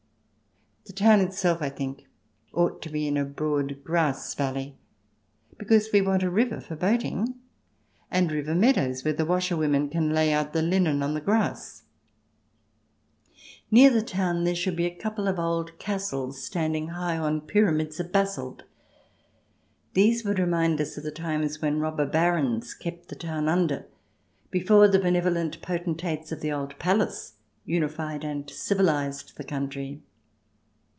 The town itself, I think, ought to be in a broad grass valley, because we want a river for boating, and river meadows where the washerwomen can lay out the linen on the grass. Near the town there should be a couple of old castles standing high on pyramids of basalt. These would remind us of the times when robber Barons kept the town under, before the benevolent potentates of the old palace unified and civilized the country.